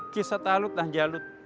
kisah talut dan jalut